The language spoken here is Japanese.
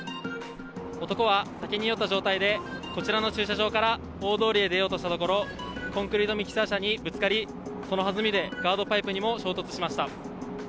男は酒に酔った状態で、こちらの駐車場から大通りへ出ようとしたところ、コンクリートミキサー車にぶつかり、そのはずみでガードパイプにも衝突しました。